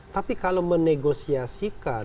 tapi kalau menegosiasikan